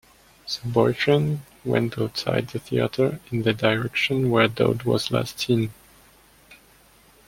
The boyfriend went outside the theater in the direction where Dodd was last seen.